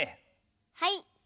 はい。